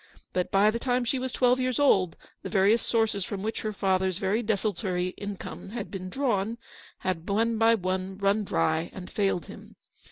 But by the time she was twelve years old the various sources from which her father's very desultory income had been drawn had one by one run dry and failed him.